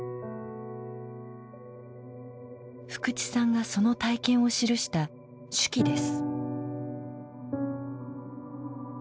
福地さんがその体験を記した手記です。